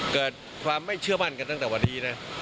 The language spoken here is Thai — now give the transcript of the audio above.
เกิดความไม่เชื่อมั่นกันตั้งแต่วันนี้นะ